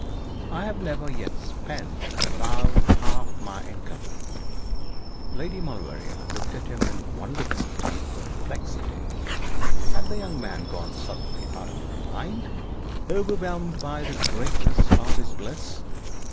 'I have never yet spent above half my income.' Lady Maulevrier looked at him in wonderment and perplexity. Had the young man gone suddenly out of his mind, overwhelmed by the greatness of his bliss?